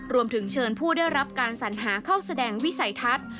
รวมถึงเชิญผู้ได้รับการสัญหาเข้าแสดงวิสัยทัศน์